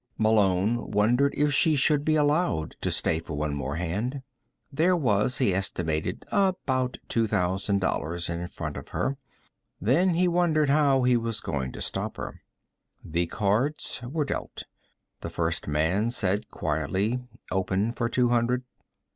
Malone wondered if she should be allowed to stay for one more hand. There was, he estimated, about two thousand dollars in front of her. Then he wondered how he was going to stop her. The cards were dealt. The first man said quietly: "Open for two hundred."